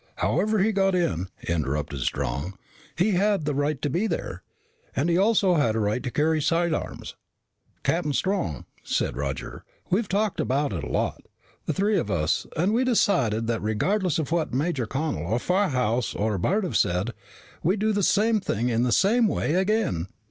"However he got in," interrupted Strong, "he had a right to be there. And he also had a right to carry sidearms." "Captain Strong," said Roger, "we've talked about it a lot, the three of us. And we decided that regardless of what Major Connel or Firehouse or Barret have said, we'd do the same thing, in the same way again."